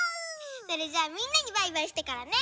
それじゃあみんなにバイバイしてからね。